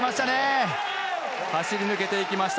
走り抜けていきました。